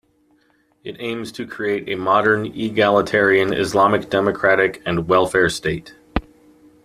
It aims to create a modern, egalitarian, Islamic democratic and Welfare state.